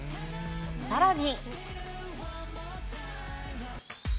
さらに。